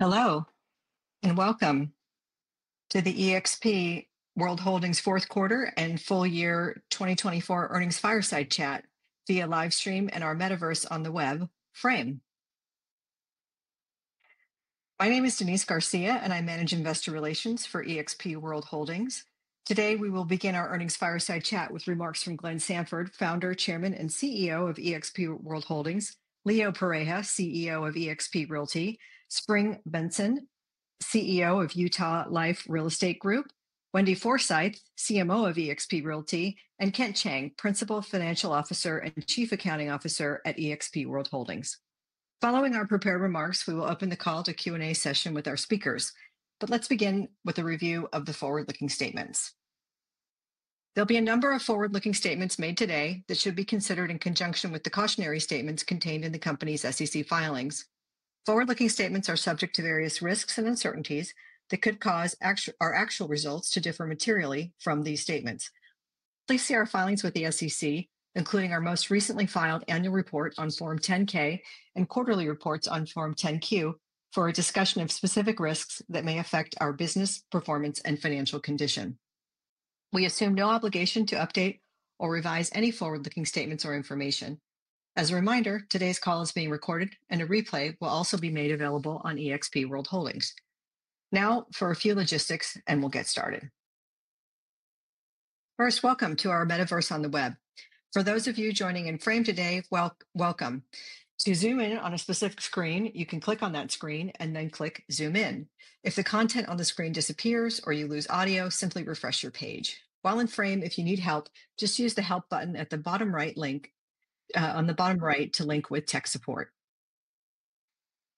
Hello, and welcome to the eXp World Holdings Fourth Quarter and Full Year 2024 Earnings Fireside Chat via livestream and our metaverse on the web, Frame. My name is Denise Garcia, and I manage investor relations for eXp World Holdings. Today, we will begin our Earnings Fireside Chat with remarks from Glenn Sanford, Founder, Chairman, and CEO of eXp World Holdings, Leo Pareja, CEO of eXp Realty, Spring Bengtzen, CEO of Utah Life Real Estate Group, Wendy Forsythe, CMO of eXp Realty, and Kent Cheng, Principal Financial Officer and Chief Accounting Officer at eXp World Holdings. Following our prepared remarks, we will open the call to a Q&A session with our speakers. But let's begin with a review of the forward-looking statements. There'll be a number of forward-looking statements made today that should be considered in conjunction with the cautionary statements contained in the company's SEC filings. Forward-looking statements are subject to various risks and uncertainties that could cause our actual results to differ materially from these statements. Please see our filings with the SEC, including our most recently filed annual report on Form 10-K and quarterly reports on Form 10-Q, for a discussion of specific risks that may affect our business performance and financial condition. We assume no obligation to update or revise any forward-looking statements or information. As a reminder, today's call is being recorded, and a replay will also be made available on eXp World Holdings. Now for a few logistics, and we'll get started. First, welcome to our metaverse on the web. For those of you joining in Frame today, welcome. To zoom in on a specific screen, you can click on that screen and then click Zoom In. If the content on the screen disappears or you lose audio, simply refresh your page. While in Frame, if you need help, just use the Help button at the bottom right to link with tech support.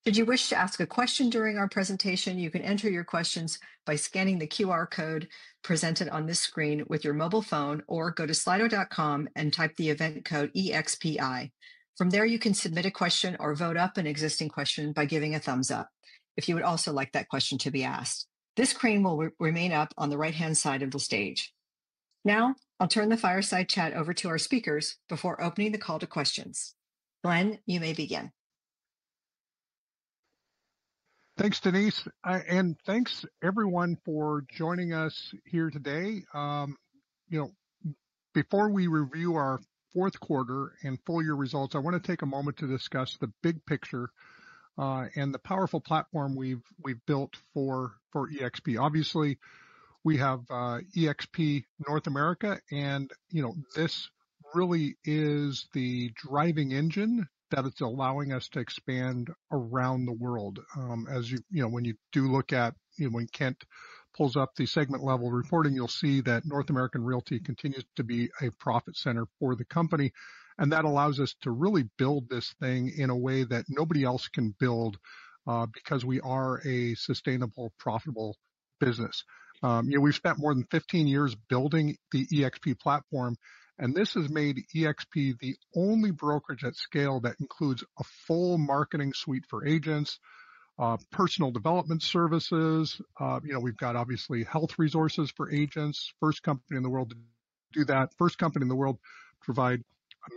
Should you wish to ask a question during our presentation, you can enter your questions by scanning the QR code presented on this screen with your mobile phone, or go to slido.com and type the event code EXPI. From there, you can submit a question or vote up an existing question by giving a thumbs up if you would also like that question to be asked. This screen will remain up on the right-hand side of the stage. Now, I'll turn the Fireside Chat over to our speakers before opening the call to questions. Glenn, you may begin. Thanks, Denise. And thanks, everyone, for joining us here today. You know, before we review our fourth quarter and full year results, I want to take a moment to discuss the big picture and the powerful platform we've built for eXp. Obviously, we have eXp North America, and you know, this really is the driving engine that it's allowing us to expand around the world. As you know, when you do look at, you know, when Kent pulls up the segment-level reporting, you'll see that North American Realty continues to be a profit center for the company. And that allows us to really build this thing in a way that nobody else can build because we are a sustainable, profitable business. You know, we've spent more than 15 years building the eXp platform, and this has made eXp the only brokerage at scale that includes a full marketing suite for agents, personal development services. You know, we've got obviously health resources for agents, first company in the world to do that, first company in the world to provide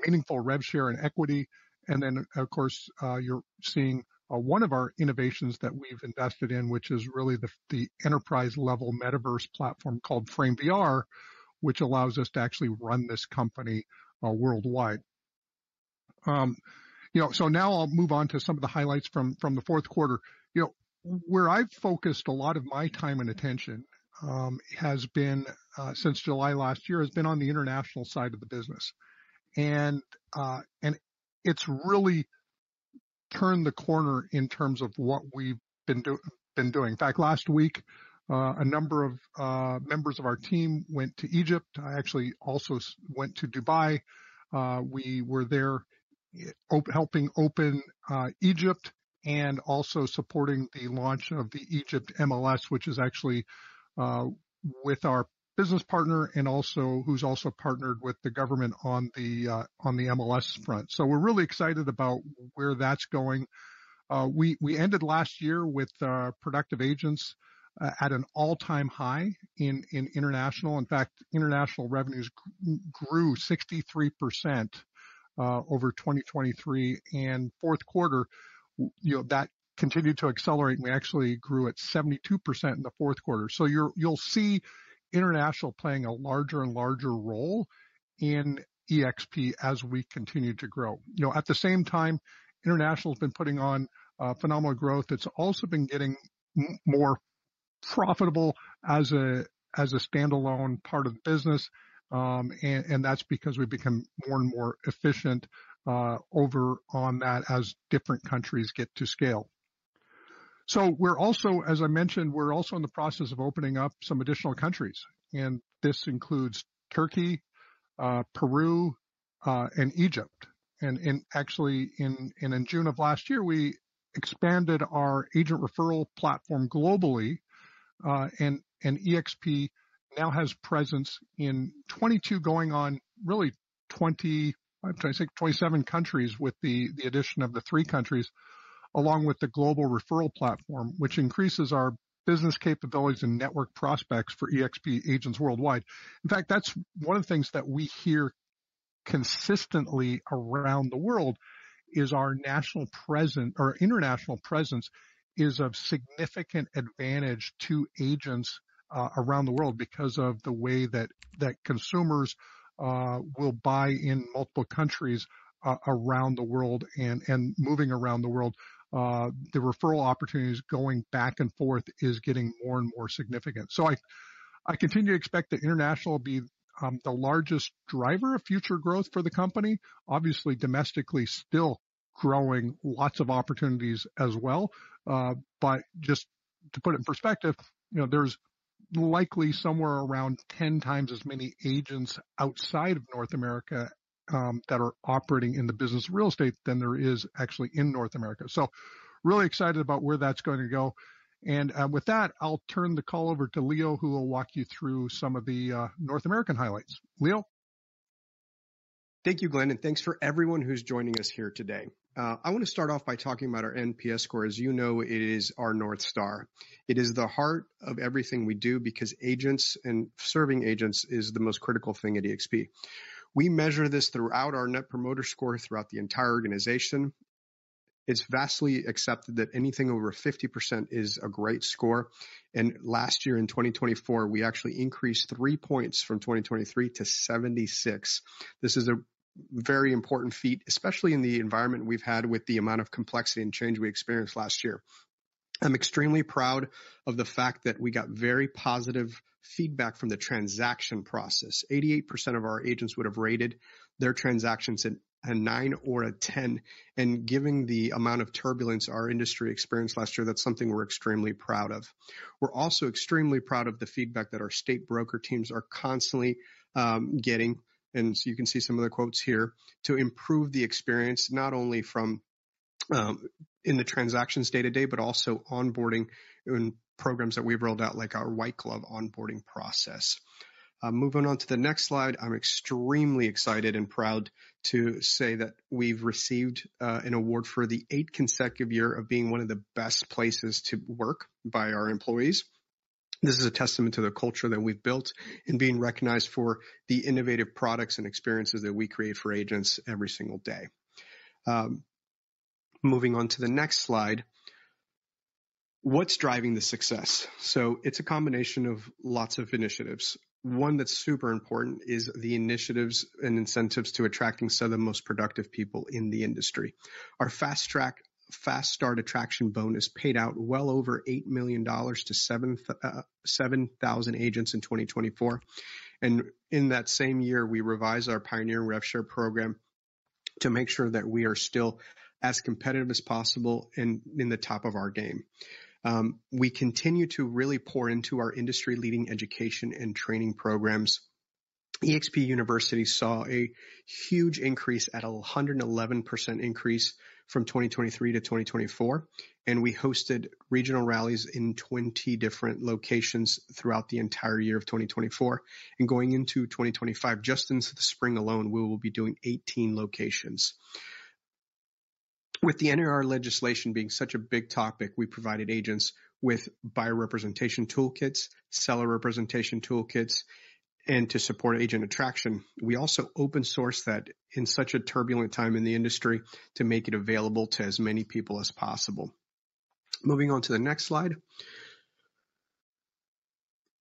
meaningful rev share and equity. And then, of course, you're seeing one of our innovations that we've invested in, which is really the enterprise-level metaverse platform called FrameVR, which allows us to actually run this company worldwide. You know, so now I'll move on to some of the highlights from the fourth quarter. You know, where I've focused a lot of my time and attention has been, since July last year, on the international side of the business. And it's really turned the corner in terms of what we've been doing. In fact, last week, a number of members of our team went to Egypt. I actually also went to Dubai. We were there helping open Egypt and also supporting the launch of the Egypt MLS, which is actually with our business partner and also who's also partnered with the government on the MLS front. So we're really excited about where that's going. We ended last year with productive agents at an all-time high in international. In fact, international revenues grew 63% over 2023. And fourth quarter, you know, that continued to accelerate. We actually grew at 72% in the fourth quarter. So you'll see international playing a larger and larger role in eXp as we continue to grow. You know, at the same time, international has been putting on phenomenal growth. It's also been getting more profitable as a standalone part of the business. That's because we've become more and more efficient over on that as different countries get to scale. So we're also, as I mentioned, we're also in the process of opening up some additional countries. And this includes Turkey, Peru, and Egypt. And actually, in June of last year, we expanded our agent referral platform globally. And eXp now has presence in 22 going on, really 20, I think 27 countries with the addition of the three countries, along with the global referral platform, which increases our business capabilities and network prospects for eXp agents worldwide. In fact, that's one of the things that we hear consistently around the world is our national presence or international presence is of significant advantage to agents around the world because of the way that consumers will buy in multiple countries around the world and moving around the world. The referral opportunities going back and forth is getting more and more significant. So I continue to expect that international will be the largest driver of future growth for the company. Obviously, domestically, still growing lots of opportunities as well. But just to put it in perspective, you know, there's likely somewhere around 10 times as many agents outside of North America that are operating in the business real estate than there is actually in North America. So really excited about where that's going to go. And with that, I'll turn the call over to Leo, who will walk you through some of the North American highlights. Leo. Thank you, Glenn, and thanks for everyone who's joining us here today. I want to start off by talking about our NPS score. As you know, it is our North Star. It is the heart of everything we do because agents and serving agents is the most critical thing at eXp. We measure this throughout our net promoter score throughout the entire organization. It's vastly accepted that anything over 50% is a great score. And last year, in 2024, we actually increased three points from 2023 to 76. This is a very important feat, especially in the environment we've had with the amount of complexity and change we experienced last year. I'm extremely proud of the fact that we got very positive feedback from the transaction process. 88% of our agents would have rated their transactions a nine or a 10. And given the amount of turbulence our industry experienced last year, that's something we're extremely proud of. We're also extremely proud of the feedback that our state broker teams are constantly getting. And so you can see some of the quotes here to improve the experience not only from in the transactions day-to-day, but also onboarding in programs that we've rolled out, like our White Glove onboarding process. Moving on to the next slide, I'm extremely excited and proud to say that we've received an award for the eighth consecutive year of being one of the best places to work by our employees. This is a testament to the culture that we've built and being recognized for the innovative products and experiences that we create for agents every single day. Moving on to the next slide, what's driving the success? So it's a combination of lots of initiatives. One that's super important is the initiatives and incentives to attracting some of the most productive people in the industry. Our Fast Track, Fast Start Attraction bonus paid out well over $8 million to 7,000 agents in 2024, and in that same year, we revised our pioneering rev share program to make sure that we are still as competitive as possible and in the top of our game. We continue to really pour into our industry-leading education and training programs. eXp University saw a huge increase at a 111% increase from 2023 to 2024, and we hosted regional rallies in 20 different locations throughout the entire year of 2024, and going into 2025, just in the spring alone, we will be doing 18 locations. With the NAR legislation being such a big topic, we provided agents with buyer representation toolkits, seller representation toolkits, and to support agent attraction. We also open sourced that in such a turbulent time in the industry to make it available to as many people as possible. Moving on to the next slide.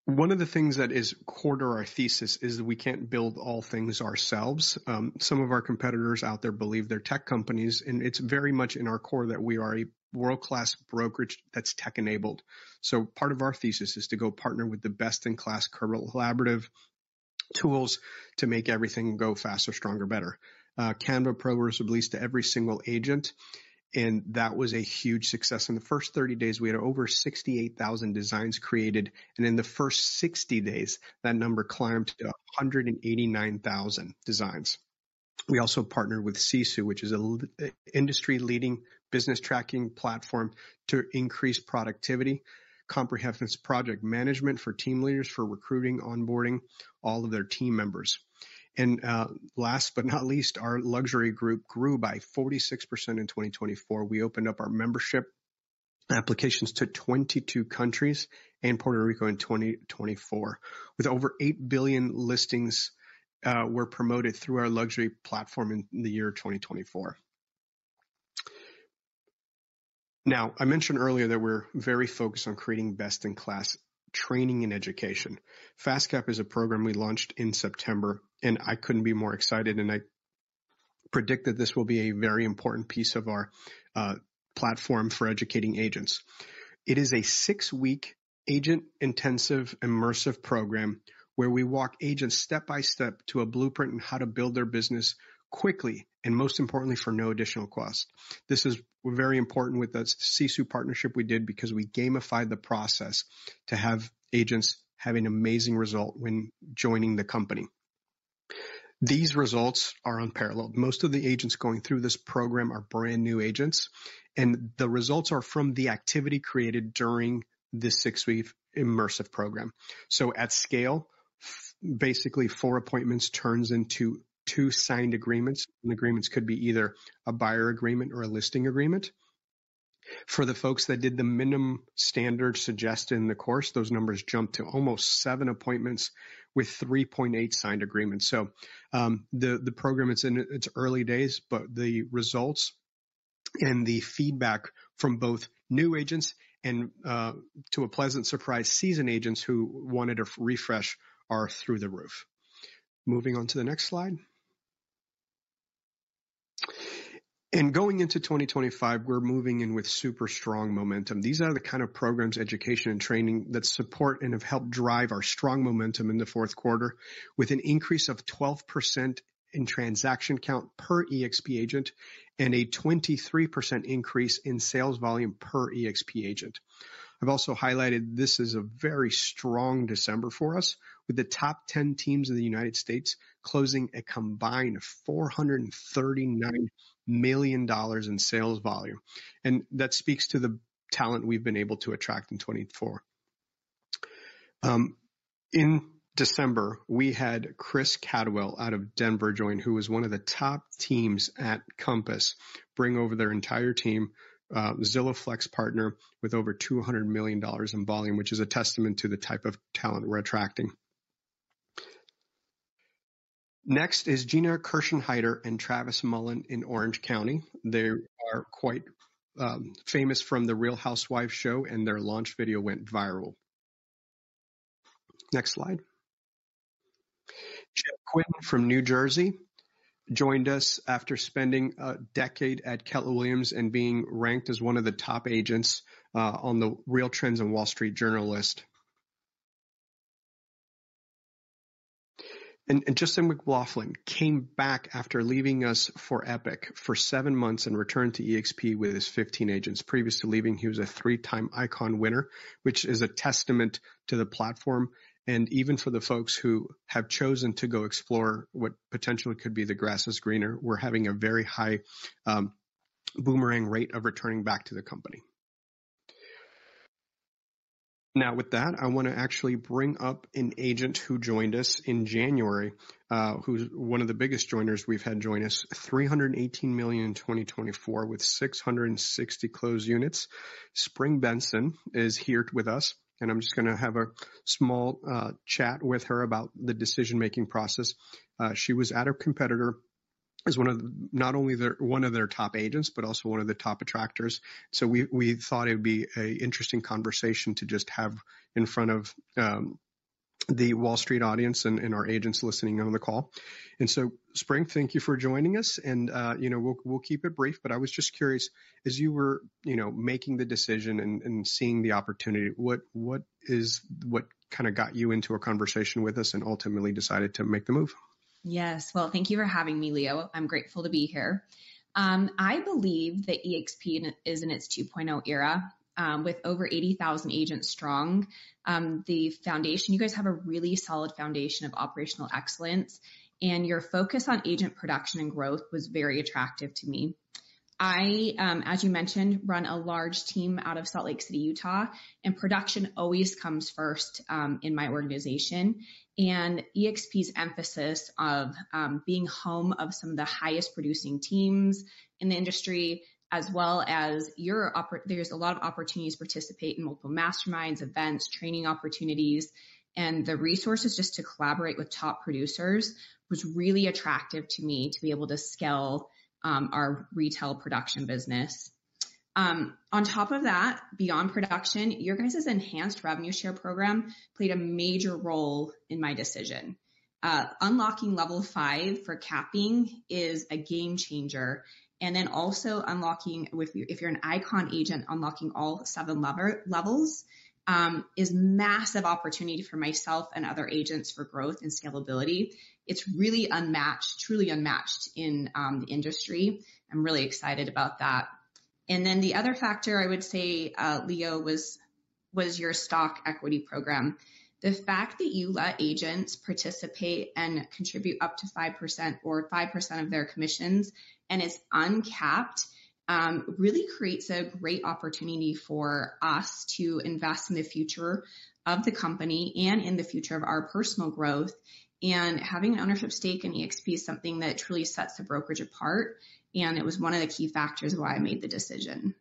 One of the things that is core to our thesis is that we can't build all things ourselves. Some of our competitors out there believe they're tech companies, and it's very much in our core that we are a world-class brokerage that's tech-enabled, so part of our thesis is to go partner with the best-in-class collaborative tools to make everything go faster, stronger, better. Canva Pro was released to every single agent, and that was a huge success. In the first 30 days, we had over 68,000 designs created, and in the first 60 days, that number climbed to 189,000 designs. We also partnered with Sisu, which is an industry-leading business tracking platform to increase productivity, comprehensive project management for team leaders for recruiting, onboarding all of their team members. Last but not least, our luxury group grew by 46% in 2024. We opened up our membership applications to 22 countries and Puerto Rico in 2024. With over 8 billion listings, we're promoted through our luxury platform in the year 2024. Now, I mentioned earlier that we're very focused on creating best-in-class training and education. FastCap is a program we launched in September. I couldn't be more excited. I predict that this will be a very important piece of our platform for educating agents. It is a six-week agent-intensive immersive program where we walk agents step by step to a blueprint and how to build their business quickly and most importantly, for no additional cost. This is very important with the Sisu partnership we did because we gamified the process to have agents have an amazing result when joining the company. These results are unparalleled. Most of the agents going through this program are brand new agents. And the results are from the activity created during this six-week immersive program. So at scale, basically four appointments turn into two signed agreements. And agreements could be either a buyer agreement or a listing agreement. For the folks that did the minimum standard suggested in the course, those numbers jumped to almost seven appointments with 3.8 signed agreements. So the program, it's in its early days, but the results and the feedback from both new agents and, to a pleasant surprise, seasoned agents who wanted a refresh are through the roof. Moving on to the next slide. Going into 2025, we're moving in with super strong momentum. These are the kind of programs, education, and training that support and have helped drive our strong momentum in the fourth quarter with an increase of 12% in transaction count per eXp agent and a 23% increase in sales volume per eXp agent. I've also highlighted this is a very strong December for us with the top 10 teams in the United States closing a combined $439 million in sales volume. That speaks to the talent we've been able to attract in 2024. In December, we had Chris Caldwell out of Denver join, who was one of the top teams at Compass bring over their entire team, Zillow Flex Partner with over $200 million in volume, which is a testament to the type of talent we're attracting. Next is Gina Kirschenheiter and Travis Mullen in Orange County. They are quite famous from The Real Housewives show, and their launch video went viral. Next slide. Jeff Quinn from New Jersey joined us after spending a decade at Keller Williams and being ranked as one of the top agents on the RealTrends and Wall Street Journal list, and Justin McLaughlin came back after leaving us for Epique for seven months and returned to eXp with his 15 agents. Previous to leaving, he was a three-time Icon winner, which is a testament to the platform, and even for the folks who have chosen to go explore what potentially could be the grass is greener, we're having a very high boomerang rate of returning back to the company. Now, with that, I want to actually bring up an agent who joined us in January, who's one of the biggest joiners we've had join us, $318 million in 2024 with 660 closed units. Spring Bengtzen is here with us. I’m just going to have a small chat with her about the decision-making process. She was at a competitor as not only one of their top agents, but also one of the top attractors. We thought it would be an interesting conversation to just have in front of the Wall Street audience and our agents listening on the call. Spring, thank you for joining us. We’ll keep it brief, but I was just curious, as you were making the decision and seeing the opportunity, what kind of got you into a conversation with us and ultimately decided to make the move? Yes. Well, thank you for having me, Leo. I'm grateful to be here. I believe that eXp is in its 2.0 era with over 80,000 agents strong. The foundation, you guys have a really solid foundation of operational excellence. And your focus on agent production and growth was very attractive to me. I, as you mentioned, run a large team out of Salt Lake City, Utah. And production always comes first in my organization. And eXp's emphasis of being home of some of the highest producing teams in the industry, as well as your, there's a lot of opportunities to participate in multiple masterminds, events, training opportunities, and the resources just to collaborate with top producers was really attractive to me to be able to scale our retail production business. On top of that, beyond production, your guys' enhanced revenue share program played a major role in my decision. Unlocking level five for capping is a game changer. And then also unlocking, if you're an ICON agent, unlocking all seven levels is a massive opportunity for myself and other agents for growth and scalability. It's really unmatched, truly unmatched in the industry. I'm really excited about that. And then the other factor I would say, Leo, was your stock equity program. The fact that you let agents participate and contribute up to 5% or 5% of their commissions and it's uncapped really creates a great opportunity for us to invest in the future of the company and in the future of our personal growth. And having an ownership stake in eXp is something that truly sets the brokerage apart. And it was one of the key factors why I made the decision.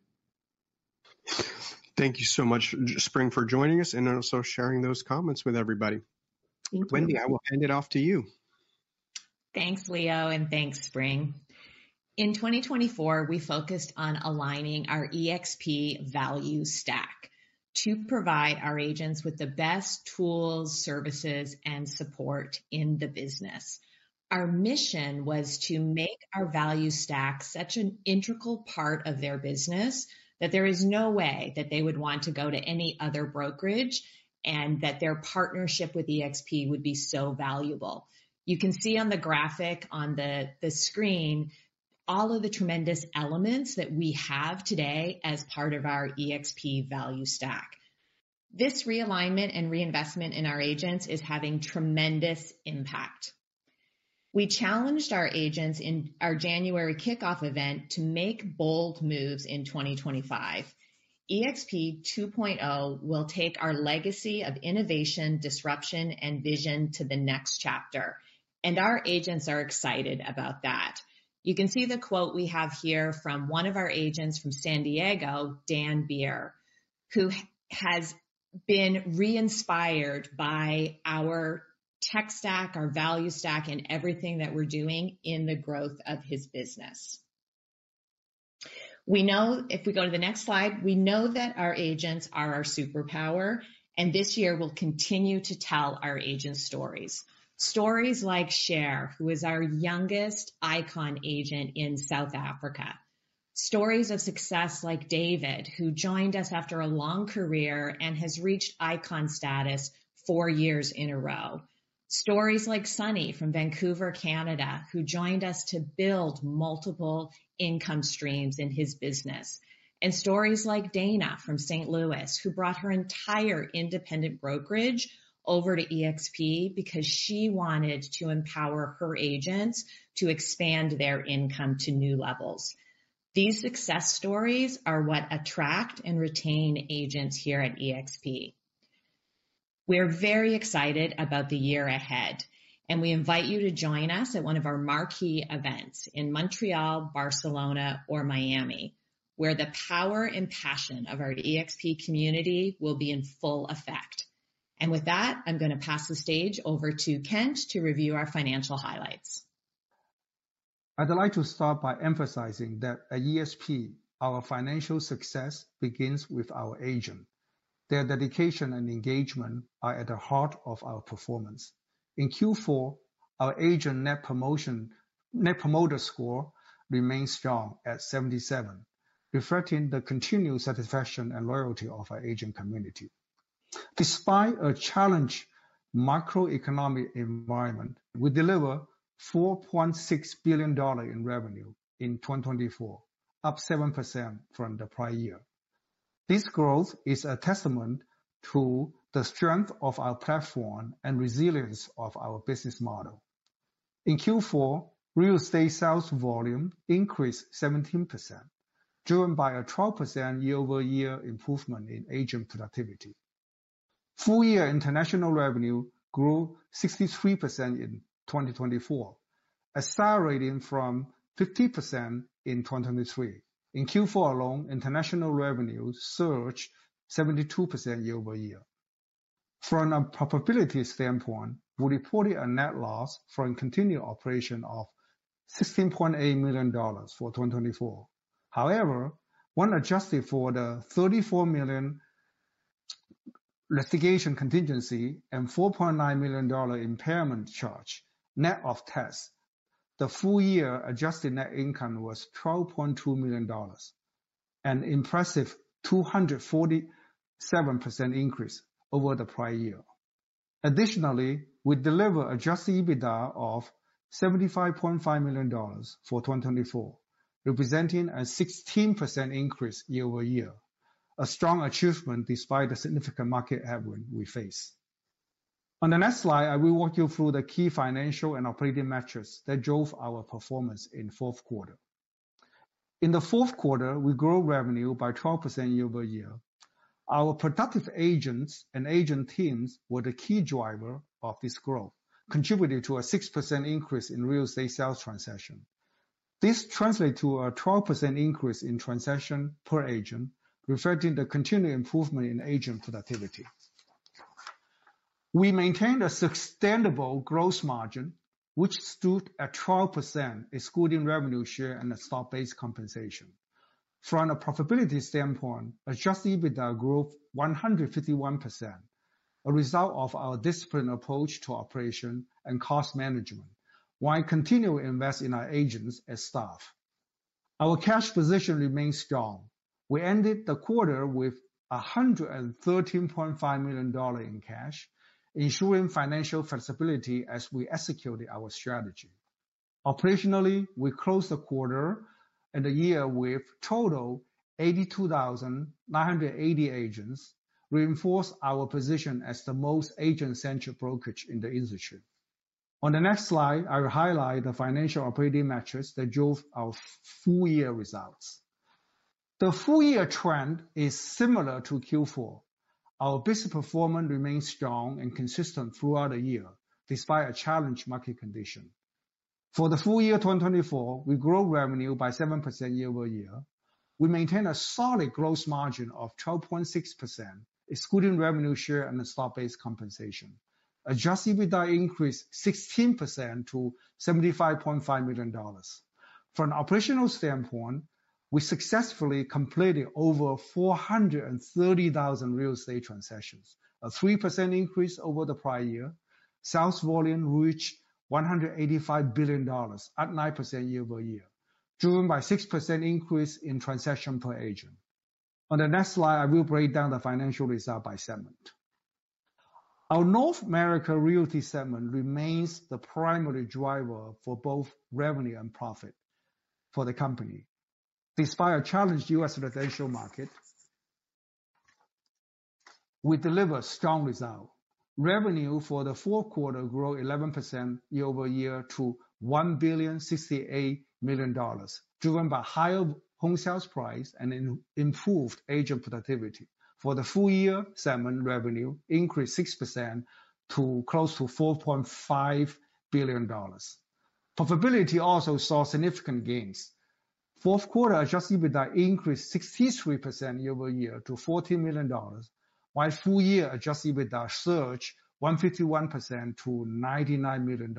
Thank you so much, Spring, for joining us and also sharing those comments with everybody. Thank you. Wendy, I will hand it off to you. Thanks, Leo, and thanks, Spring. In 2024, we focused on aligning our eXp value stack to provide our agents with the best tools, services, and support in the business. Our mission was to make our value stack such an integral part of their business that there is no way that they would want to go to any other brokerage and that their partnership with eXp would be so valuable. You can see on the graphic on the screen all of the tremendous elements that we have today as part of our eXp value stack. This realignment and reinvestment in our agents is having tremendous impact. We challenged our agents in our January kickoff event to make bold moves in 2025. eXp 2.0 will take our legacy of innovation, disruption, and vision to the next chapter, and our agents are excited about that. You can see the quote we have here from one of our agents from San Diego, Dan Beer, who has been reinspired by our tech stack, our value stack, and everything that we're doing in the growth of his business. We know if we go to the next slide, we know that our agents are our superpower. And this year, we'll continue to tell our agents stories. Stories like Cher, who is our youngest ICON agent in South Africa. Stories of success like David, who joined us after a long career and has reached ICON status four years in a row. Stories like Sunny from Vancouver, Canada, who joined us to build multiple income streams in his business. And stories like Dana from St. Louis, who brought her entire independent brokerage over to eXp because she wanted to empower her agents to expand their income to new levels. These success stories are what attract and retain agents here at eXp. We are very excited about the year ahead. We invite you to join us at one of our marquee events in Montreal, Barcelona, or Miami, where the power and passion of our eXp community will be in full effect. With that, I'm going to pass the stage over to Kent to review our financial highlights. I'd like to start by emphasizing that at eXp, our financial success begins with our agent. Their dedication and engagement are at the heart of our performance. In Q4, our Agent Net Promoter Score remained strong at 77, reflecting the continued satisfaction and loyalty of our agent community. Despite a challenged macroeconomic environment, we delivered $4.6 billion in revenue in 2024, up 7% from the prior year. This growth is a testament to the strength of our platform and resilience of our business model. In Q4, real estate sales volume increased 17%, driven by a 12% year-over-year improvement in agent productivity. Full-year international revenue grew 63% in 2024, accelerating from 50% in 2023. In Q4 alone, international revenue surged 72% year-over-year. From a profitability standpoint, we reported a net loss from continuing operations of $16.8 million for 2024. However, when adjusted for the $34 million litigation contingency and $4.9 million impairment charge net of tax, the full-year adjusted net income was $12.2 million, an impressive 247% increase over the prior year. Additionally, we delivered adjusted EBITDA of $75.5 million for 2024, representing a 16% increase year-over-year, a strong achievement despite the significant market headwind we faced. On the next slide, I will walk you through the key financial and operating metrics that drove our performance in the fourth quarter. In the fourth quarter, we grew revenue by 12% year-over-year. Our productive agents and agent teams were the key driver of this growth, contributing to a 6% increase in real estate sales transaction. This translates to a 12% increase in transaction per agent, reflecting the continued improvement in agent productivity. We maintained a sustainable gross margin, which stood at 12%, excluding revenue share and the stock-based compensation. From a profitability standpoint, Adjusted EBITDA grew 151%, a result of our disciplined approach to operation and cost management, while continuing to invest in our agents and staff. Our cash position remained strong. We ended the quarter with $113.5 million in cash, ensuring financial flexibility as we executed our strategy. Operationally, we closed the quarter and the year with a total of 82,980 agents, reinforcing our position as the most agent-centric brokerage in the industry. On the next slide, I will highlight the financial operating metrics that drove our full-year results. The full-year trend is similar to Q4. Our business performance remained strong and consistent throughout the year, despite a challenged market condition. For the full year 2024, we grew revenue by 7% year-over-year. We maintained a solid gross margin of 12.6%, excluding revenue share and the stock-based compensation. Adjusted EBITDA increased 16% to $75.5 million. From an operational standpoint, we successfully completed over 430,000 real estate transactions, a 3% increase over the prior year. Sales volume reached $185 billion at 9% year-over-year, driven by a 6% increase in transaction per agent. On the next slide, I will break down the financial result by segment. Our North America Realty segment remains the primary driver for both revenue and profit for the company. Despite a challenged US residential market, we delivered strong results. Revenue for the fourth quarter grew 11% year-over-year to $1.068 billion, driven by higher home sales prices and improved agent productivity. For the full-year segment, revenue increased 6% to close to $4.5 billion. Profitability also saw significant gains. Fourth quarter adjusted EBITDA increased 63% year-over-year to $14 million, while full-year adjusted EBITDA surged 151% to $99 million.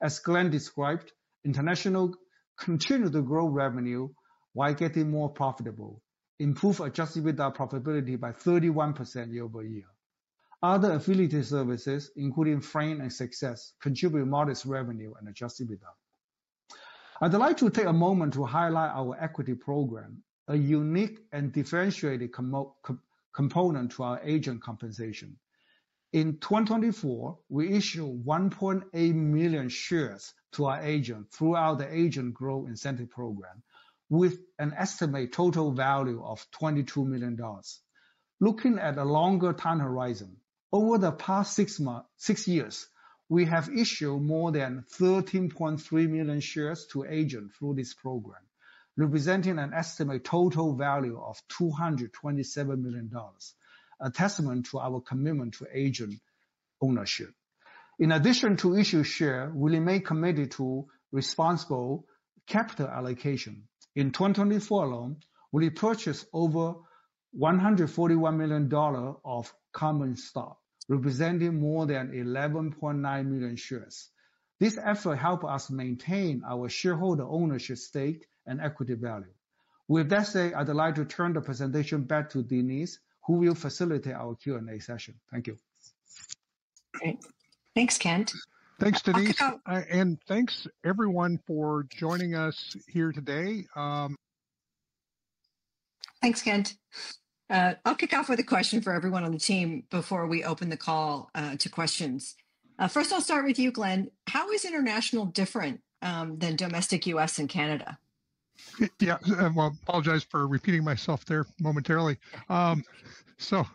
As Glenn described, international continued to grow revenue while getting more profitable, improving adjusted EBITDA profitability by 31% year-over-year. Other affiliated services, including Spring and SUCCESS, contributed modest revenue and adjusted EBITDA. I'd like to take a moment to highlight our equity program, a unique and differentiated component to our agent compensation. In 2024, we issued 1.8 million shares to our agents throughout the Agent Growth Incentive Program, with an estimated total value of $22 million. Looking at a longer time horizon, over the past six years, we have issued more than 13.3 million shares to agents through this program, representing an estimated total value of $227 million, a testament to our commitment to agent ownership. In addition to issued shares, we remained committed to responsible capital allocation. In 2024 alone, we purchased over $141 million of common stock, representing more than 11.9 million shares. This effort helped us maintain our shareholder ownership stake and equity value. With that said, I'd like to turn the presentation back to Denise, who will facilitate our Q&A session. Thank you. Great. Thanks, Kent. Thanks, Denise. Thanks, everyone, for joining us here today. Thanks, Kent. I'll kick off with a question for everyone on the team before we open the call to questions. First, I'll start with you, Glenn. How is international different than domestic US and Canada? Yeah. Well, I apologize for repeating myself there momentarily. So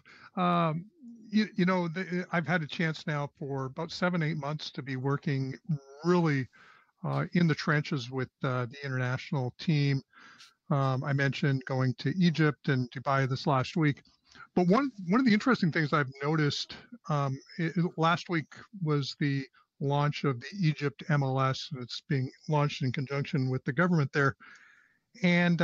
you know I've had a chance now for about seven, eight months to be working really in the trenches with the international team. I mentioned going to Egypt and Dubai this last week. But one of the interesting things I've noticed last week was the launch of the Egypt MLS. It's being launched in conjunction with the government there. And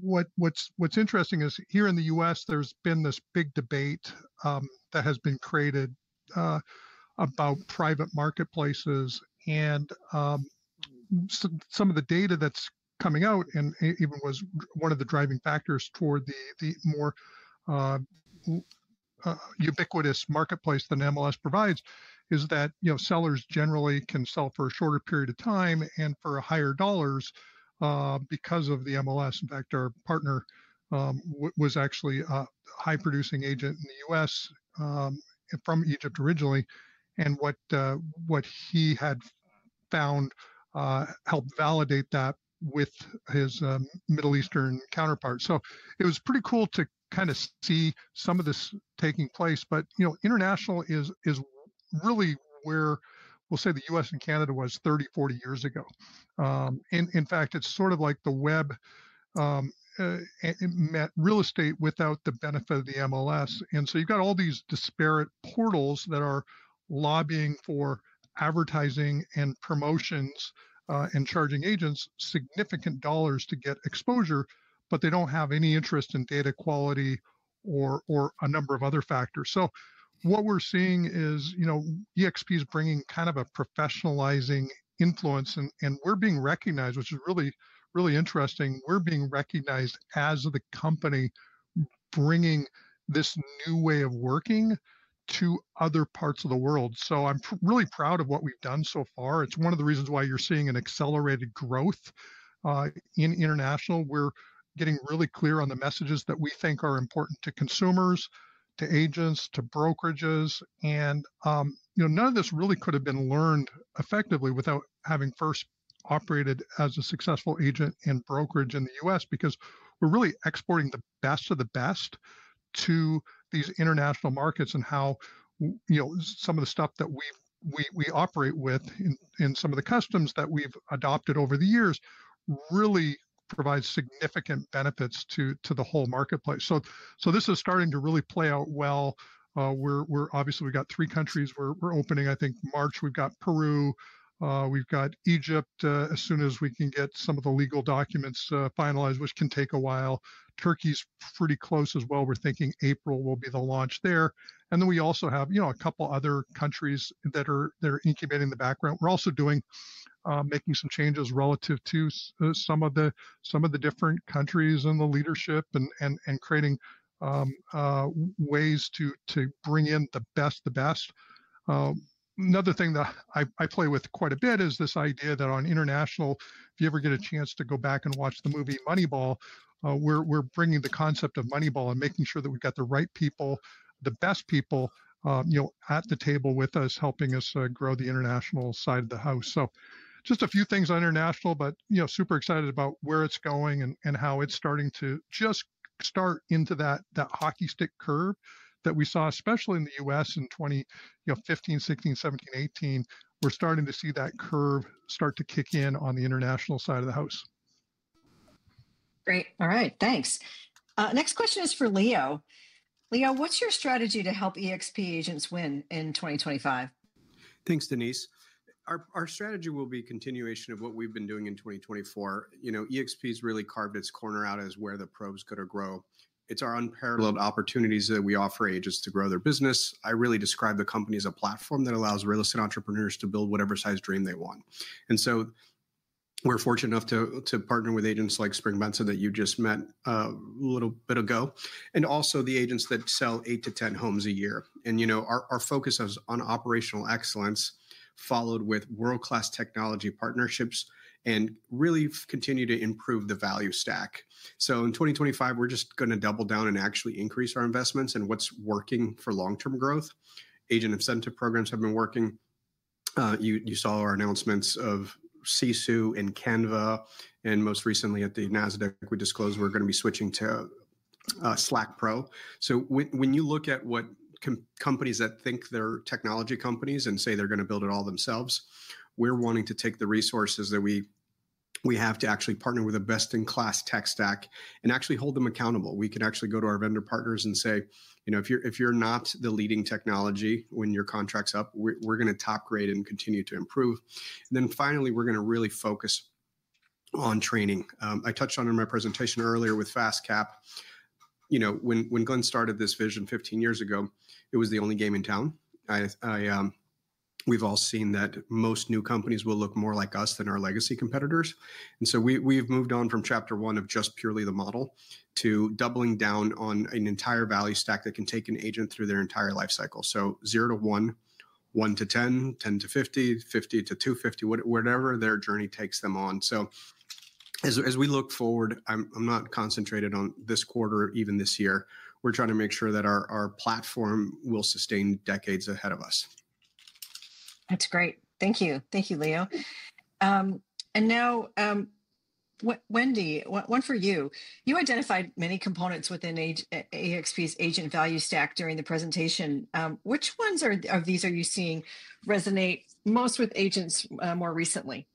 what's interesting is here in the U.S., there's been this big debate that has been created about private marketplaces. And some of the data that's coming out and even was one of the driving factors toward the more ubiquitous marketplace than MLS provides is that sellers generally can sell for a shorter period of time and for higher dollars because of the MLS. In fact, our partner was actually a high-producing agent in the U.S. from Egypt originally. What he had found helped validate that with his Middle Eastern counterpart. It was pretty cool to kind of see some of this taking place. International is really where, we'll say, the US and Canada was 30, 40 years ago. In fact, it's sort of like the web met real estate without the benefit of the MLS. You've got all these disparate portals that are lobbying for advertising and promotions and charging agents significant dollars to get exposure, but they don't have any interest in data quality or a number of other factors. What we're seeing is eXp is bringing kind of a professionalizing influence. We're being recognized, which is really, really interesting. We're being recognized as the company bringing this new way of working to other parts of the world. I'm really proud of what we've done so far. It's one of the reasons why you're seeing an accelerated growth in international. We're getting really clear on the messages that we think are important to consumers, to agents, to brokerages, and none of this really could have been learned effectively without having first operated as a successful agent and brokerage in the U.S. because we're really exporting the best of the best to these international markets, and how some of the stuff that we operate with and some of the customs that we've adopted over the years really provides significant benefits to the whole marketplace, so this is starting to really play out well. Obviously, we've got three countries. We're opening, I think, March. We've got Peru. We've got Egypt as soon as we can get some of the legal documents finalized, which can take a while. Turkey's pretty close as well. We're thinking April will be the launch there. And then we also have a couple of other countries that are incubating in the background. We're also making some changes relative to some of the different countries and the leadership and creating ways to bring in the best of the best. Another thing that I play with quite a bit is this idea that on international, if you ever get a chance to go back and watch the movie Moneyball, we're bringing the concept of Moneyball and making sure that we've got the right people, the best people at the table with us, helping us grow the international side of the house. So just a few things on international, but super excited about where it's going and how it's starting to just start into that hockey stick curve that we saw, especially in the U.S. in 2015, 2016, 2017, 2018. We're starting to see that curve start to kick in on the international side of the house. Great. All right. Thanks. Next question is for Leo. Leo, what's your strategy to help eXp agents win in 2025? Thanks, Denise. Our strategy will be a continuation of what we've been doing in 2024. eXp has really carved its corner out as where the pros go to grow. It's our unparalleled opportunities that we offer agents to grow their business. I really describe the company as a platform that allows real estate entrepreneurs to build whatever size dream they want. We're fortunate enough to partner with agents like Spring Bengtzen that you just met a little bit ago, and also the agents that sell eight to 10 homes a year. Our focus is on operational excellence, followed with world-class technology partnerships, and really continue to improve the value stack. In 2025, we're just going to double down and actually increase our investments in what's working for long-term growth. Agent incentive programs have been working. You saw our announcements of Sisu and Canva. And most recently, at the Nasdaq, we disclosed we're going to be switching to Slack Pro. So when you look at what companies that think they're technology companies and say they're going to build it all themselves, we're wanting to take the resources that we have to actually partner with a best-in-class tech stack and actually hold them accountable. We can actually go to our vendor partners and say, "If you're not the leading technology when your contract's up, we're going to top grade and continue to improve." And then finally, we're going to really focus on training. I touched on in my presentation earlier with FastCap. When Glenn started this vision 15 years ago, it was the only game in town. We've all seen that most new companies will look more like us than our legacy competitors. And so we've moved on from chapter one of just purely the model to doubling down on an entire value stack that can take an agent through their entire life cycle. So zero to one, one to 10, 10 to 50, 50 to 250, whatever their journey takes them on. So as we look forward, I'm not concentrated on this quarter or even this year. We're trying to make sure that our platform will sustain decades ahead of us. That's great. Thank you. Thank you, Leo. And now, Wendy, one for you. You identified many components within eXp's agent value stack during the presentation. Which ones of these are you seeing resonate most with agents more recently?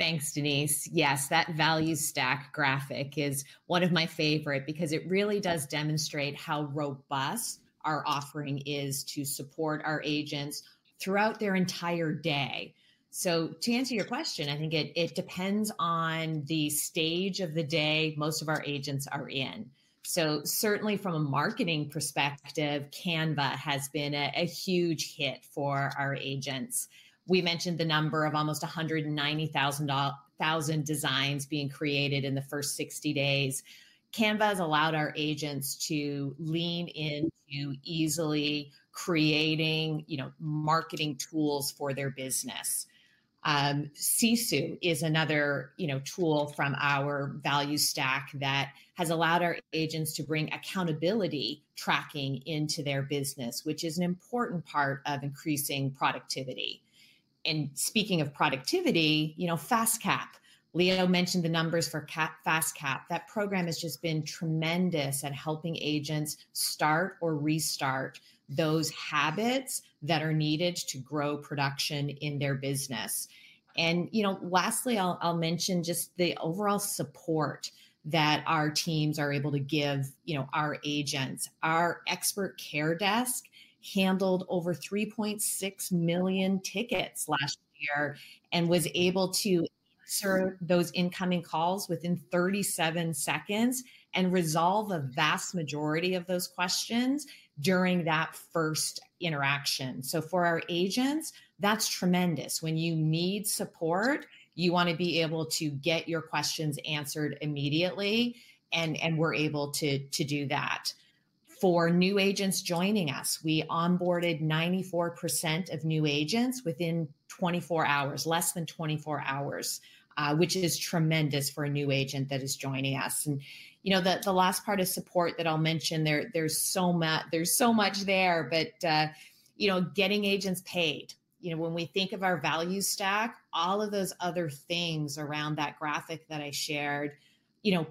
Thanks, Denise. Yes, that value stack graphic is one of my favorites because it really does demonstrate how robust our offering is to support our agents throughout their entire day. So to answer your question, I think it depends on the stage of the day most of our agents are in. So certainly, from a marketing perspective, Canva has been a huge hit for our agents. We mentioned the number of almost 190,000 designs being created in the first 60 days. Canva has allowed our agents to lean into easily creating marketing tools for their business. Sisu is another tool from our value stack that has allowed our agents to bring accountability tracking into their business, which is an important part of increasing productivity. And speaking of productivity, FastCap, Leo mentioned the numbers for FastCap. That program has just been tremendous at helping agents start or restart those habits that are needed to grow production in their business. And lastly, I'll mention just the overall support that our teams are able to give our agents. Our Expert Care Desk handled over 3.6 million tickets last year and was able to answer those incoming calls within 37 seconds and resolve a vast majority of those questions during that first interaction. So for our agents, that's tremendous. When you need support, you want to be able to get your questions answered immediately. And we're able to do that. For new agents joining us, we onboarded 94% of new agents within 24 hours, less than 24 hours, which is tremendous for a new agent that is joining us. And the last part of support that I'll mention, there's so much there, but getting agents paid. When we think of our value stack, all of those other things around that graphic that I shared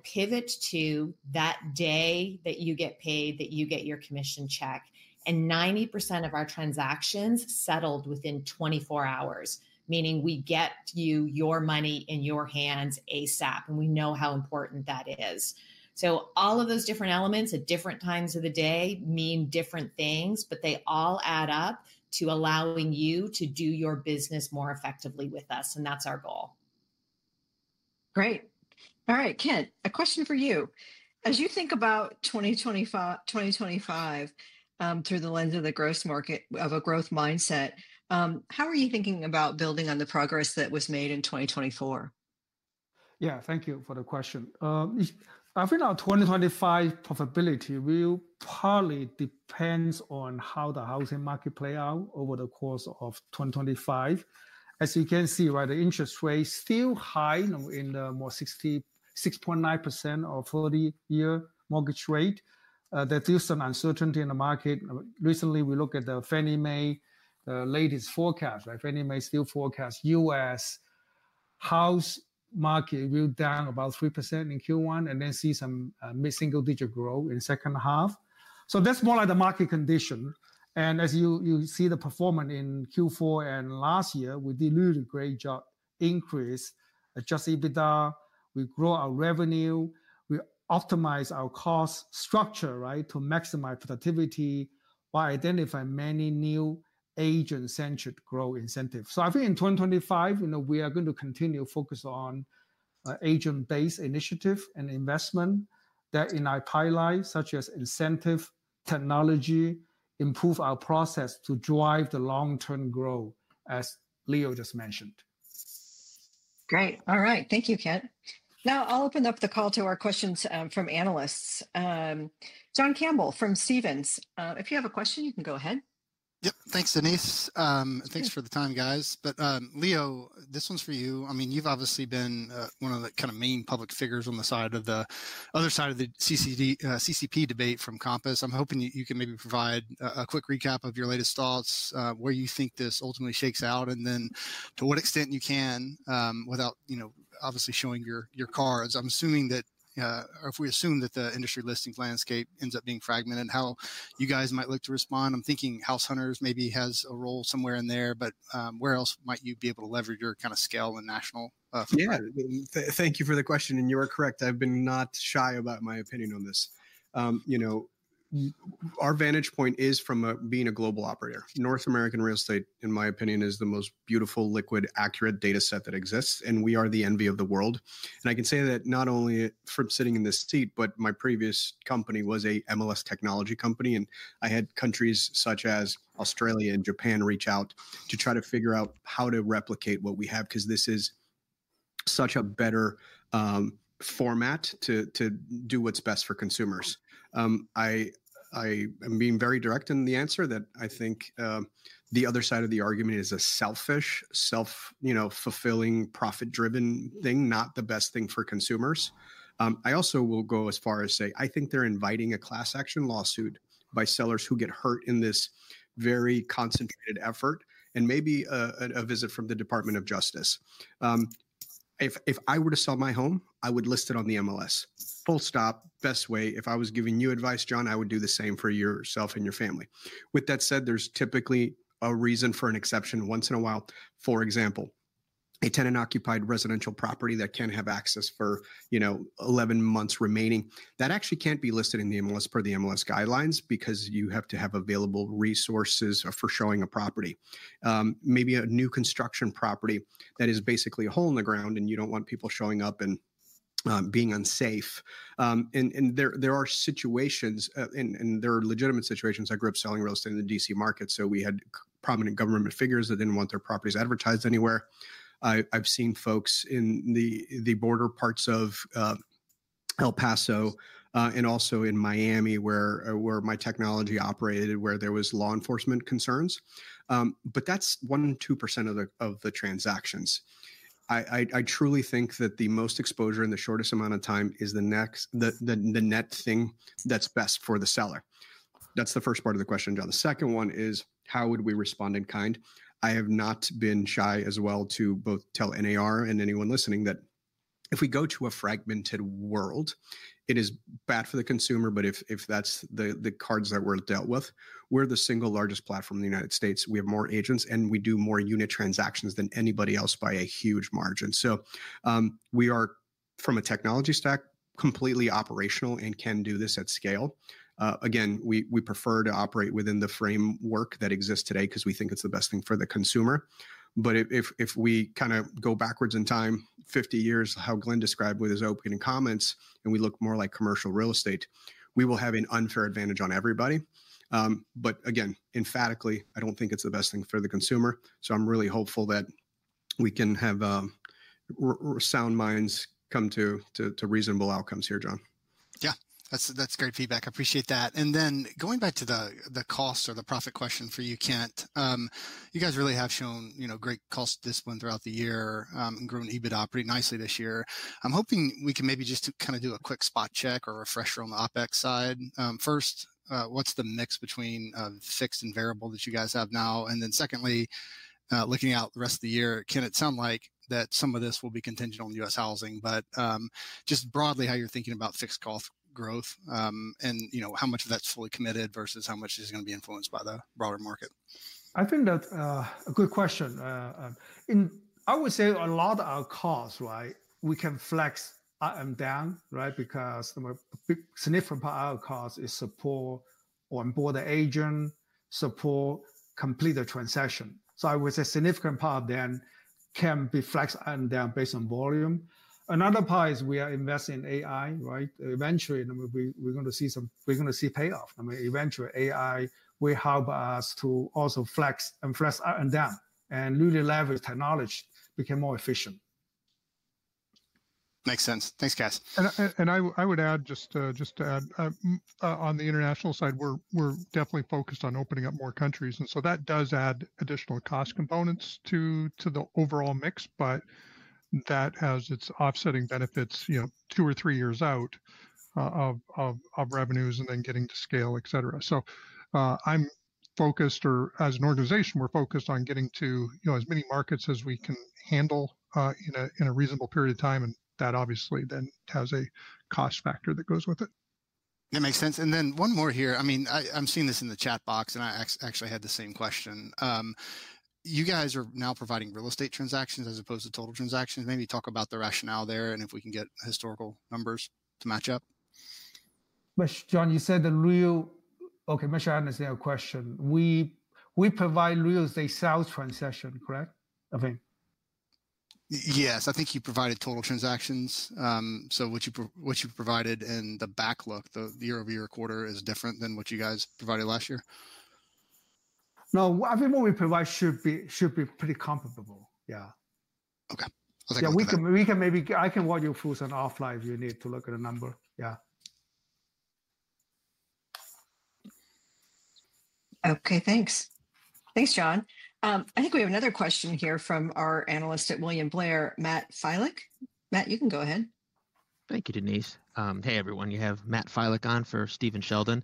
pivot to that day that you get paid, that you get your commission check. And 90% of our transactions settled within 24 hours, meaning we get you your money in your hands ASAP. And we know how important that is. So all of those different elements at different times of the day mean different things, but they all add up to allowing you to do your business more effectively with us. And that's our goal. Great. All right, Kent, a question for you. As you think about 2025 through the lens of the growth mindset, how are you thinking about building on the progress that was made in 2024? Yeah, thank you for the question. I think our 2025 profitability will probably depend on how the housing market plays out over the course of 2025. As you can see, the interest rate is still high, in the more like 6.9% or 7% 30-year mortgage rate. There's still some uncertainty in the market. Recently, we looked at the Fannie Mae, the latest forecast. Fannie Mae still forecasts US housing market will be down about 3% in Q1 and then see some single-digit growth in the second half. So that's more like the market condition. And as you see the performance in Q4 and last year, we did really a great job increase adjusted EBITDA. We grow our revenue. We optimize our cost structure to maximize productivity while identifying many new agent-centered growth incentives. I think in 2025, we are going to continue to focus on agent-based initiatives and investment that in our pipeline, such as incentive technology, improve our process to drive the long-term growth, as Leo just mentioned. Great. All right. Thank you, Kent. Now, I'll open up the call to our questions from analysts. John Campbell from Stephens, if you have a question, you can go ahead. Yep. Thanks, Denise. Thanks for the time, guys, but Leo, this one's for you. I mean, you've obviously been one of the kind of main public figures on the side of the other side of the CCP debate from Compass. I'm hoping you can maybe provide a quick recap of your latest thoughts, where you think this ultimately shakes out, and then to what extent you can without obviously showing your cards. I'm assuming that if we assume that the industry listings landscape ends up being fragmented, how you guys might look to respond. I'm thinking House Hunters maybe has a role somewhere in there, but where else might you be able to leverage your kind of scale and national footprint? Yeah. Thank you for the question, and you are correct. I've been not shy about my opinion on this. Our vantage point is from being a global operator. North American real estate, in my opinion, is the most beautiful, liquid, accurate data set that exists, and we are the envy of the world, and I can say that not only from sitting in this seat, but my previous company was an MLS technology company, and I had countries such as Australia and Japan reach out to try to figure out how to replicate what we have because this is such a better format to do what's best for consumers. I am being very direct in the answer that I think the other side of the argument is a selfish, self-fulfilling, profit-driven thing, not the best thing for consumers. I also will go as far as say, I think they're inviting a class action lawsuit by sellers who get hurt in this very concentrated effort and maybe a visit from the Department of Justice. If I were to sell my home, I would list it on the MLS. Full stop. Best way. If I was giving you advice, John, I would do the same for yourself and your family. With that said, there's typically a reason for an exception once in a while. For example, a tenant-occupied residential property that can't have access for 11 months remaining. That actually can't be listed in the MLS per the MLS guidelines because you have to have available resources for showing a property. Maybe a new construction property that is basically a hole in the ground, and you don't want people showing up and being unsafe, and there are situations, and there are legitimate situations. I grew up selling real estate in the DC market, so we had prominent government figures that didn't want their properties advertised anywhere. I've seen folks in the border parts of El Paso and also in Miami where my technology operated, where there were law enforcement concerns. But that's 1% and 2% of the transactions. I truly think that the most exposure in the shortest amount of time is the net thing that's best for the seller. That's the first part of the question, John. The second one is, how would we respond in kind? I have not been shy as well to both tell NAR and anyone listening that if we go to a fragmented world, it is bad for the consumer, but if that's the cards that we're dealt with, we're the single largest platform in the United States. We have more agents, and we do more unit transactions than anybody else by a huge margin. So we are, from a technology stack, completely operational and can do this at scale. Again, we prefer to operate within the framework that exists today because we think it's the best thing for the consumer. But if we kind of go backwards in time, 50 years, how Glenn described with his opening comments, and we look more like commercial real estate, we will have an unfair advantage on everybody. But again, emphatically, I don't think it's the best thing for the consumer. So I'm really hopeful that we can have sound minds come to reasonable outcomes here, John. Yeah. That's great feedback. I appreciate that. And then going back to the cost or the profit question for you, Kent, you guys really have shown great cost discipline throughout the year and grew an EBITDA pretty nicely this year. I'm hoping we can maybe just kind of do a quick spot check or refresher on the OpEx side. First, what's the mix between fixed and variable that you guys have now? And then secondly, looking out the rest of the year, it sounds like that some of this will be contingent on U.S. housing, but just broadly, how you're thinking about fixed cost growth and how much of that's fully committed versus how much is going to be influenced by the broader market? I think that's a good question. I would say a lot of our costs, we can flex up and down because a significant part of our cost is support onboard the agent, support complete the transaction. So I would say a significant part then can be flexed up and down based on volume. Another part is we are investing in AI. Eventually, we're going to see payoff. Eventually, AI will help us to also flex and flex up and down and really leverage technology to become more efficient. Makes sense. Thanks, guys. And I would add, just to add, on the international side, we're definitely focused on opening up more countries. And so that does add additional cost components to the overall mix, but that has its offsetting benefits two or three years out of revenues and then getting to scale, etc. So I'm focused, or as an organization, we're focused on getting to as many markets as we can handle in a reasonable period of time. And that obviously then has a cost factor that goes with it. That makes sense. And then one more here. I mean, I'm seeing this in the chat box, and I actually had the same question. You guys are now providing real estate transactions as opposed to total transactions. Maybe talk about the rationale there and if we can get historical numbers to match up. John, you said the real estate, okay. Make sure I understand your question. We provide real estate sales transactions, correct? Yes. I think you provided total transactions. So what you provided in the backlog, the year-over-year quarter, is different than what you guys provided last year? No, everything we provide should be pretty comparable. Yeah. Okay. I'll take that. Yeah. We can. Maybe I can watch your polls offline if you need to look at a number. Yeah. Okay. Thanks. Thanks, John. I think we have another question here from our analyst at William Blair, Matt Filek. Matt, you can go ahead. Thank you, Denise. Hey, everyone. You have Matt Filek on for Stephen Sheldon.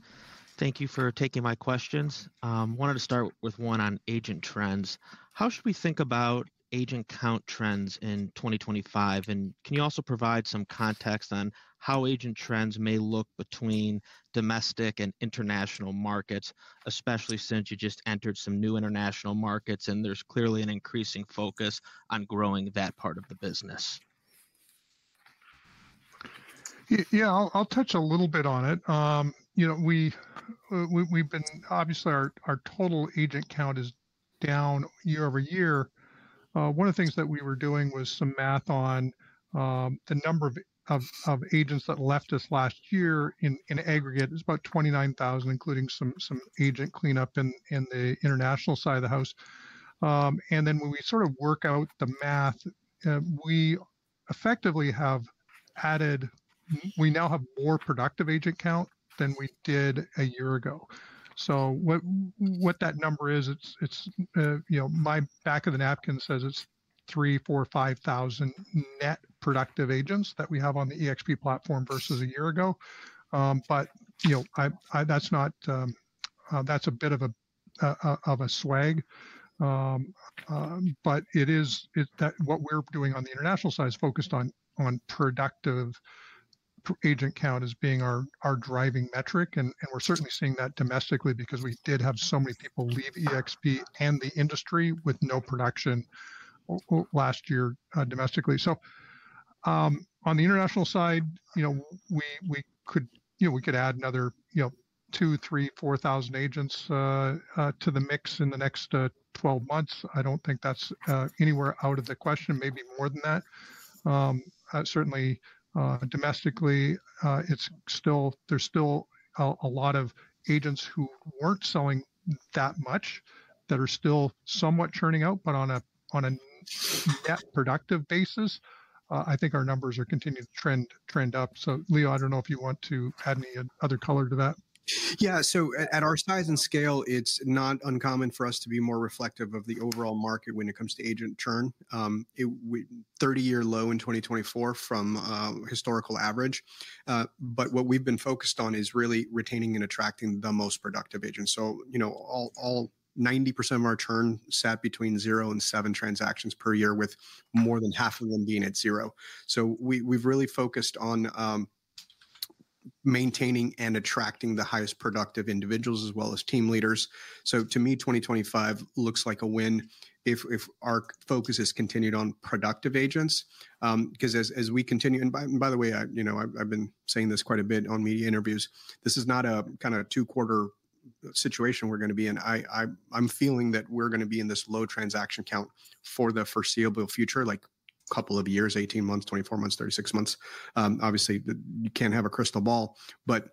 Thank you for taking my questions. Wanted to start with one on agent trends. How should we think about agent count trends in 2025? And can you also provide some context on how agent trends may look between domestic and international markets, especially since you just entered some new international markets and there's clearly an increasing focus on growing that part of the business? Yeah. I'll touch a little bit on it. Obviously, our total agent count is down year over year. One of the things that we were doing was some math on the number of agents that left us last year in aggregate. It's about 29,000, including some agent cleanup in the international side of the house. And then when we sort of work out the math, we effectively now have more productive agent count than we did a year ago. So what that number is, my back of the napkin says it's 3-5 thousand net productive agents that we have on the eXp platform versus a year ago. But that's a bit of a swag. But what we're doing on the international side is focused on productive agent count as being our driving metric. We're certainly seeing that domestically because we did have so many people leave eXp and the industry with no production last year domestically. So on the international side, we could add another two, three, four thousand agents to the mix in the next 12 months. I don't think that's anywhere out of the question, maybe more than that. Certainly, domestically, there's still a lot of agents who weren't selling that much that are still somewhat churning out. But on a net productive basis, I think our numbers are continuing to trend up. So Leo, I don't know if you want to add any other color to that. Yeah. So at our size and scale, it's not uncommon for us to be more reflective of the overall market when it comes to agent churn. 30-year low in 2024 from historical average. But what we've been focused on is really retaining and attracting the most productive agents. So 90% of our churn sat between zero and seven transactions per year, with more than half of them being at zero. So we've really focused on maintaining and attracting the highest productive individuals as well as team leaders. So to me, 2025 looks like a win if our focus has continued on productive agents because as we continue and by the way, I've been saying this quite a bit on media interviews. This is not a kind of two-quarter situation we're going to be in. I'm feeling that we're going to be in this low transaction count for the foreseeable future, like a couple of years, 18 months, 24 months, 36 months. Obviously, you can't have a crystal ball, but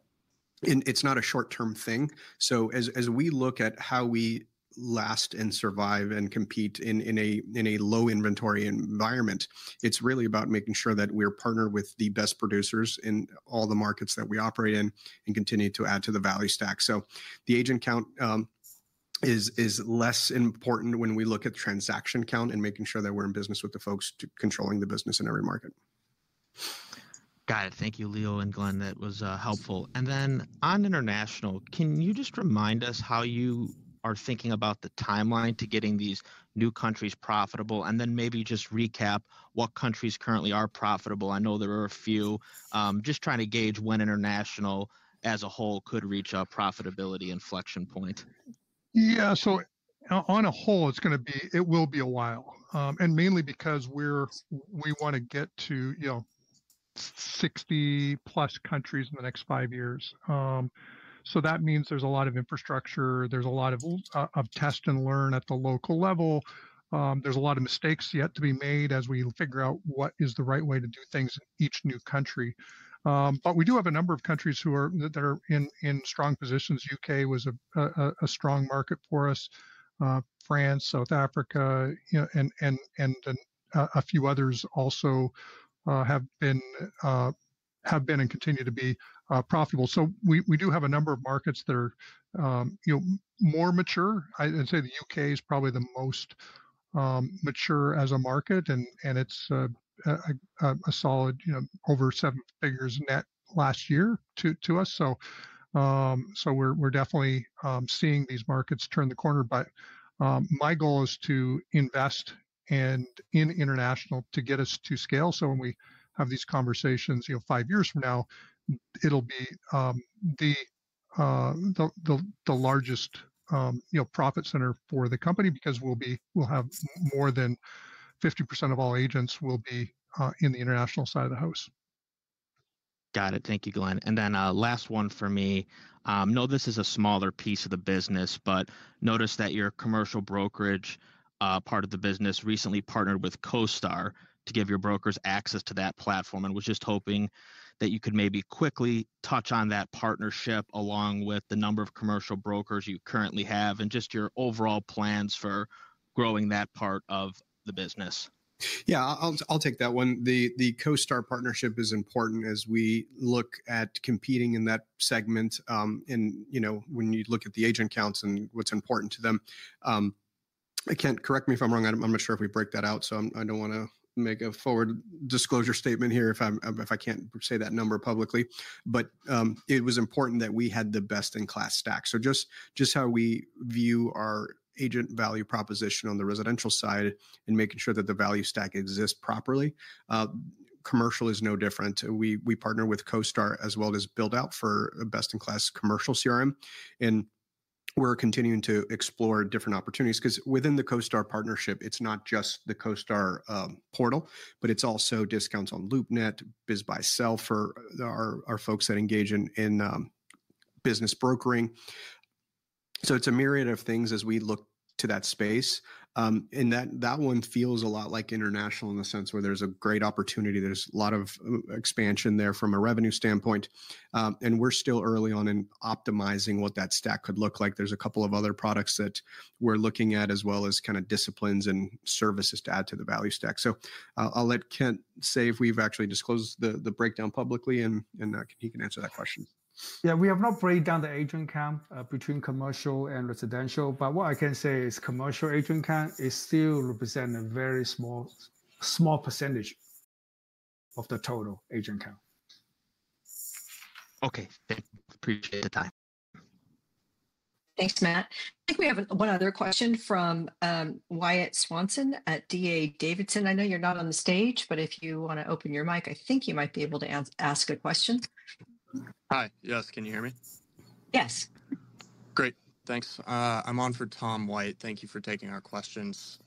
it's not a short-term thing. So as we look at how we last and survive and compete in a low-inventory environment, it's really about making sure that we're partnered with the best producers in all the markets that we operate in and continue to add to the value stack. So the agent count is less important when we look at transaction count and making sure that we're in business with the folks controlling the business in every market. Got it. Thank you, Leo and Glenn. That was helpful. And then on international, can you just remind us how you are thinking about the timeline to getting these new countries profitable? And then maybe just recap what countries currently are profitable. I know there are a few. Just trying to gauge when international as a whole could reach a profitability inflection point. Yeah. So on a whole, it's going to be it will be a while. And mainly because we want to get to 60-plus countries in the next five years, that means there's a lot of infrastructure. There's a lot of test and learn at the local level. There's a lot of mistakes yet to be made as we figure out what is the right way to do things in each new country. But we do have a number of countries that are in strong positions. UK was a strong market for us. France, South Africa, and a few others also have been and continue to be profitable. So we do have a number of markets that are more mature. I'd say the UK is probably the most mature as a market. And it's a solid over seven figures net last year to us. So we're definitely seeing these markets turn the corner. But my goal is to invest in international to get us to scale. So when we have these conversations five years from now, it'll be the largest profit center for the company because we'll have more than 50% of all agents will be in the international side of the house. Got it. Thank you, Glenn. And then last one for me. I know this is a smaller piece of the business, but I notice that your commercial brokerage part of the business recently partnered with CoStar to give your brokers access to that platform. And I was just hoping that you could maybe quickly touch on that partnership along with the number of commercial brokers you currently have and just your overall plans for growing that part of the business. Yeah. I'll take that one. The CoStar partnership is important as we look at competing in that segment. And when you look at the agent counts and what's important to them, again, correct me if I'm wrong. I'm not sure if we break that out. So I don't want to make a forward-looking statement here if I can't say that number publicly. But it was important that we had the best-in-class stack. So just how we view our agent value proposition on the residential side and making sure that the value stack exists properly, commercial is no different. We partner with CoStar as well as Buildout for best-in-class commercial CRM. And we're continuing to explore different opportunities because within the CoStar partnership, it's not just the CoStar portal, but it's also discounts on LoopNet, BizBuySell, our folks that engage in business brokering. So it's a myriad of things as we look to that space. And that one feels a lot like international in the sense where there's a great opportunity. There's a lot of expansion there from a revenue standpoint. And we're still early on in optimizing what that stack could look like. There's a couple of other products that we're looking at as well as kind of disciplines and services to add to the value stack. So I'll let Kent say if we've actually disclosed the breakdown publicly and he can answer that question. Yeah. We have not broken down the agent count between commercial and residential. But what I can say is commercial agent count is still representing a very small percentage of the total agent count. Okay. Thank you. Appreciate the time. Thanks, Matt. I think we have one other question from Wyatt Swanson at D.A. Davidson. I know you're not on the stage, but if you want to open your mic, I think you might be able to ask a question. Hi. Yes. Can you hear me? Yes. Great. Thanks. I'm on for Tom White. Thank you for taking our questions.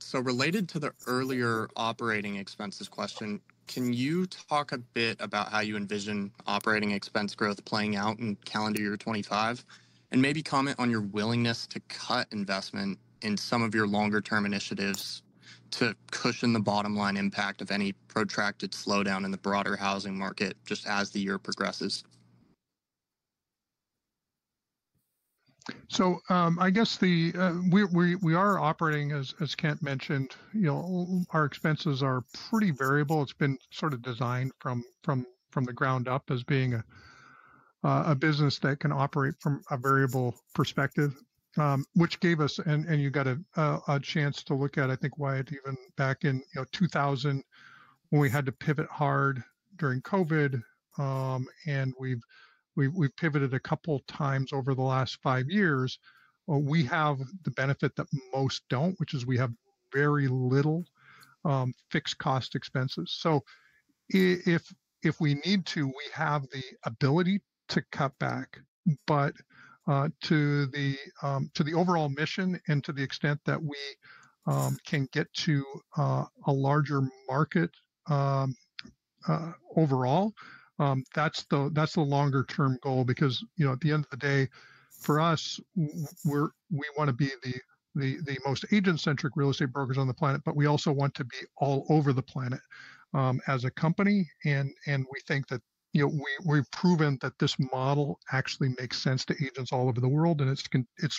So related to the earlier operating expenses question, can you talk a bit about how you envision operating expense growth playing out in calendar year 2025? And maybe comment on your willingness to cut investment in some of your longer-term initiatives to cushion the bottom line impact of any protracted slowdown in the broader housing market just as the year progresses. I guess we are operating, as Kent mentioned, our expenses are pretty variable. It's been sort of designed from the ground up as being a business that can operate from a variable perspective, which gave us, and you got a chance to look at, I think, Wyatt even back in 2020 when we had to pivot hard during COVID. We've pivoted a couple of times over the last five years. We have the benefit that most don't, which is we have very little fixed cost expenses. If we need to, we have the ability to cut back. But to the overall mission and to the extent that we can get to a larger market overall, that's the longer-term goal because at the end of the day, for us, we want to be the most agent-centric real estate brokers on the planet, but we also want to be all over the planet as a company. And we think that we've proven that this model actually makes sense to agents all over the world. And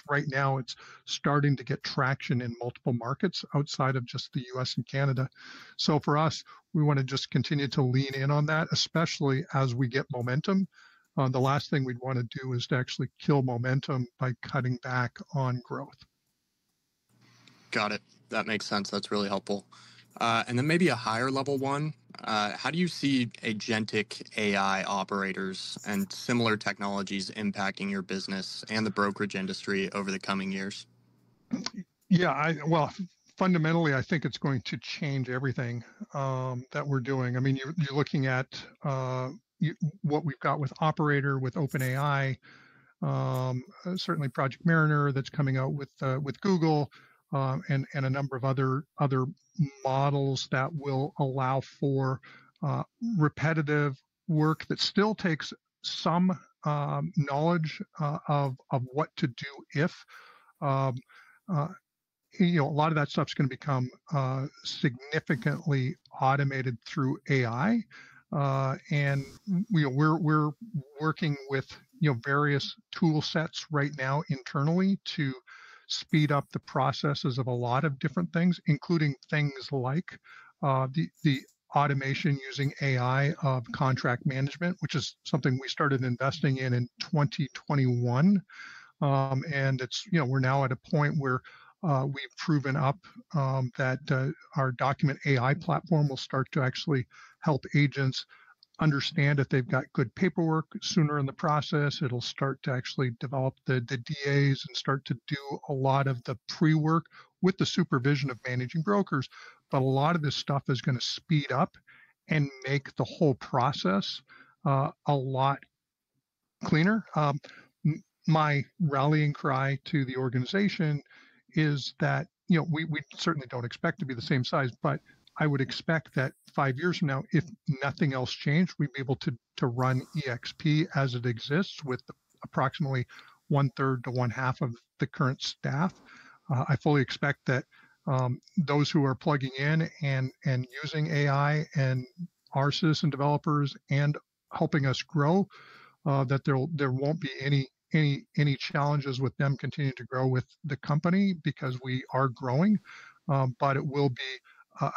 right now, it's starting to get traction in multiple markets outside of just the U.S. and Canada. So for us, we want to just continue to lean in on that, especially as we get momentum. The last thing we'd want to do is to actually kill momentum by cutting back on growth. Got it. That makes sense. That's really helpful. And then maybe a higher-level one. How do you see agentic AI operators and similar technologies impacting your business and the brokerage industry over the coming years? Yeah. Well, fundamentally, I think it's going to change everything that we're doing. I mean, you're looking at what we've got with Operator with OpenAI, certainly Project Mariner that's coming out with Google, and a number of other models that will allow for repetitive work that still takes some knowledge of what to do if. A lot of that stuff's going to become significantly automated through AI. And we're working with various tool sets right now internally to speed up the processes of a lot of different things, including things like the automation using AI of contract management, which is something we started investing in in 2021. And we're now at a point where we've proven up that our Document AI platform will start to actually help agents understand if they've got good paperwork sooner in the process. It'll start to actually develop the DAs and start to do a lot of the pre-work with the supervision of managing brokers. But a lot of this stuff is going to speed up and make the whole process a lot cleaner. My rallying cry to the organization is that we certainly don't expect to be the same size, but I would expect that five years from now, if nothing else changed, we'd be able to run eXp as it exists with approximately one-third to one-half of the current staff. I fully expect that those who are plugging in and using AI and our citizen developers and helping us grow, that there won't be any challenges with them continuing to grow with the company because we are growing. But it will be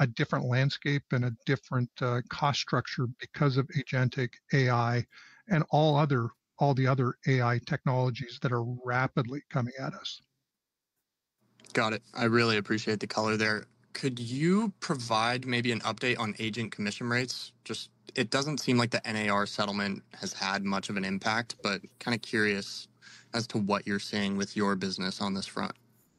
a different landscape and a different cost structure because of agentic AI and all the other AI technologies that are rapidly coming at us. Got it. I really appreciate the color there. Could you provide maybe an update on agent commission rates? It doesn't seem like the NAR settlement has had much of an impact, but kind of curious as to what you're seeing with your business on this front.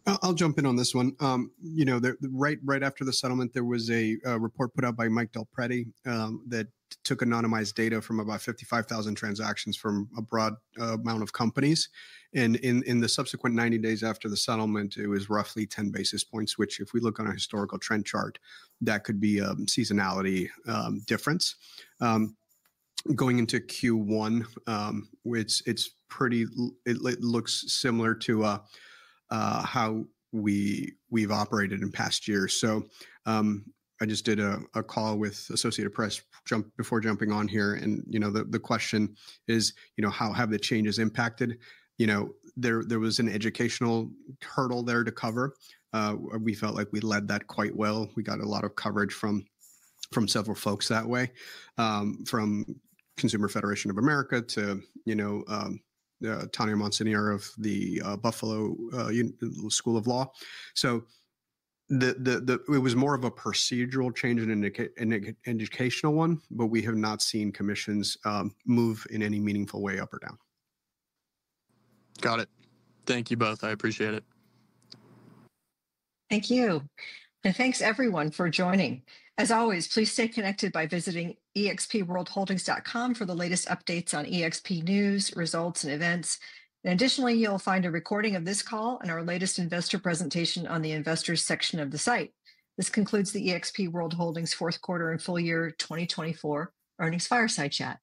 I'll jump in on this one. Right after the settlement, there was a report put out by Mike DelPrete that took anonymized data from about 55,000 transactions from a broad amount of companies. And in the subsequent 90 days after the settlement, it was roughly 10 basis points, which if we look on a historical trend chart, that could be a seasonality difference. Going into Q1, it looks similar to how we've operated in past years. So I just did a call with Associated Press before jumping on here. And the question is, how have the changes impacted? There was an educational hurdle there to cover. We felt like we led that quite well. We got a lot of coverage from several folks that way, from Consumer Federation of America to Tanya Monestier of the Buffalo School of Law. So it was more of a procedural change and an educational one, but we have not seen commissions move in any meaningful way up or down. Got it. Thank you both. I appreciate it. Thank you. And thanks, everyone, for joining. As always, please stay connected by visiting expworldholdings.com for the latest updates on eXp news, results, and events. And additionally, you'll find a recording of this call and our latest investor presentation on the investors' section of the site. This concludes the eXp World Holdings Fourth Quarter and Full Year 2024 Earnings Fireside Chat.